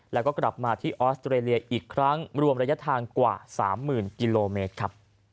แล้วก็กลับมาที่ออสเตรเลียอีกครั้งรวมระยะทางกว่า๓๐๐๐กิโลเมตรครับ